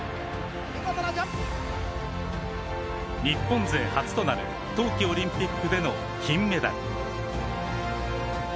日本勢初となる冬季オリンピックでの金メダル。